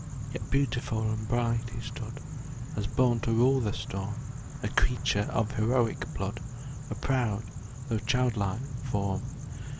Yet beautiful and bright he stood, As born to rule the storm; A creature of heroic blood, A proud though childlike form.